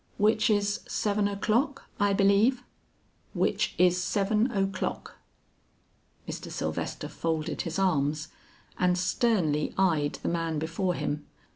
"Which is seven o'clock, I believe?" "Which is seven o'clock." Mr. Sylvester folded his arms and sternly eyed the man before him.